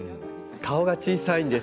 顔が小さいんです。